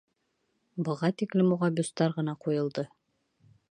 Быға тиклем уға бюстар ғына ҡуйылды.